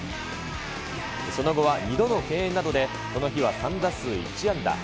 その後は２度の敬遠などで、この日は３打数１安打。